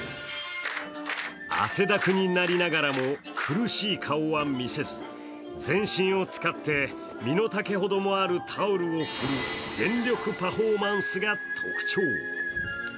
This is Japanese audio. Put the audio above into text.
汗だくになりながらも苦しい顔は見せず全身を使って身の丈ほどもあるタオルを振る全力パフォーマンスが特徴。